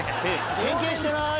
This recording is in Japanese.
「変形してない？」